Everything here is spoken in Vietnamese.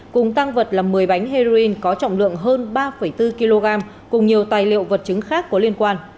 cùng tăng vật là một mươi bánh heroin có trọng lượng hơn ba bốn kg cùng nhiều tài liệu vật chứng khác có liên quan